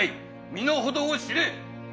身の程を知れ！